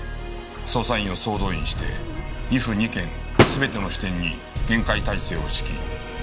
捜査員を総動員して２府２県全ての支店に厳戒態勢を敷き２５日を待った。